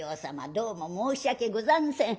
どうも申し訳ござんせん。